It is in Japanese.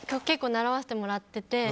結構、習わせてもらってて。